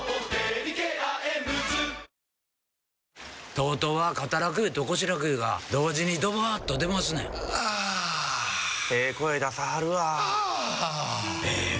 ＴＯＴＯは肩楽湯と腰楽湯が同時にドバーッと出ますねんあええ声出さはるわあええ